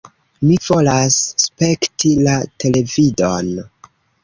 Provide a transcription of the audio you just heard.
Mi volas spekti la televidon!